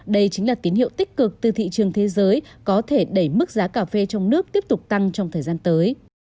đây chính là tín hiệu tích cực từ thị trường thế giới có thể đẩy mức giá cà phê trong nước tiếp tục tăng trong thời gian tới